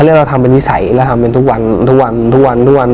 คือเราทำแผนยิสัยเราทำทุกวันทุกวันทุกวัน